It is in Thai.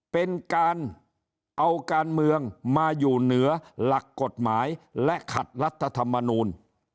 เป็นการเอาการเมืองมาอยู่เหนือหลักกฎหมายและขัดรัฐธรรมนูล